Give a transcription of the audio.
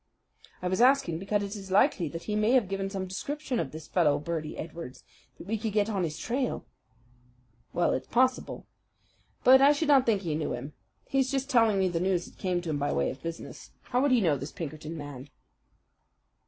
"I was asking because it is likely that he may have given some description of this fellow Birdy Edwards then we could get on his trail." "Well, it's possible. But I should not think he knew him. He is just telling me the news that came to him by way of business. How would he know this Pinkerton man?"